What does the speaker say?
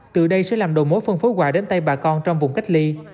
từ đây sẽ làm đầu mối phân phối quà đến tay bà con trong vùng cách ly